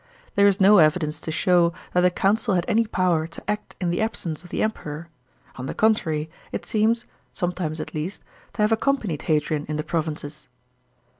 There is no evidence to show that the Council had any power to act in the absence of the Emperor ; on the contrary, it seems — sometimes at least — to have accompanied Hadrian in the provinces.